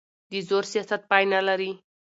د زور سیاست پای نه لري